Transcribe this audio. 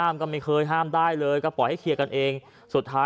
ไม่ได้ครับ